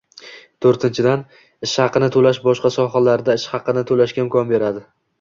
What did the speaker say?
To'rtinchidan, ish haqini to'lash boshqa sohalarda ish haqini to'lashga imkon beradi